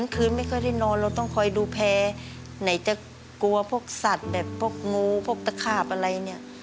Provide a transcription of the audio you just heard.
คืนไม่ค่อยได้นอนเราต้องคอยดูแพร่ไหนจะกลัวพวกสัตว์แบบพวกงูพวกตะขาบอะไรเนี่ย